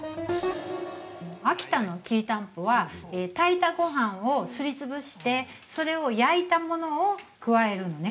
◆秋田のきりたんぽは炊いたごはんをすりつぶしてそれを焼いたものを加えるのね